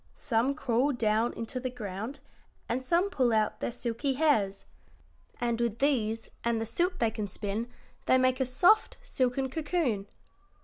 Some crawl down into the ground and some pull out their silky hairs, and with these and the silk they can spin they make a soft, silken cocoon.